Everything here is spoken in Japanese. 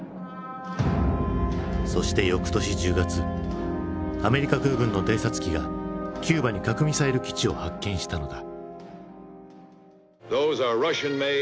そしてよくとし１０月アメリカ空軍の偵察機がキューバに核ミサイル基地を発見したのだ。